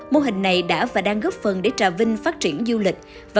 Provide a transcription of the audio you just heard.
mô hình này đã và đang góp phần để trà vinh phát triển du lịch và kinh tế bình vực